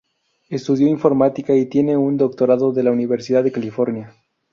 Estudió informática y tiene un doctorado de la Universidad de California.